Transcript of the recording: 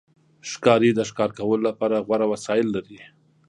ښکاري د ښکار کولو لپاره غوره وسایل لري.